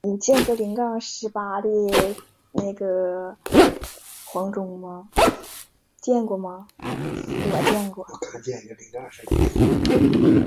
会东县是中国四川省凉山彝族自治州所辖的一个县。